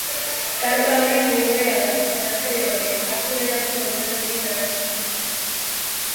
Kanta horren igoera da, zalantzarik gabe, aste honetako nobebaderik garrantzitsuenetakoa.